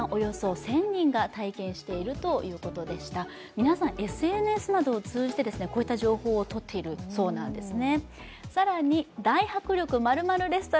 皆さん、ＳＮＳなどを通じてこういった情報をとっているそうなんですね。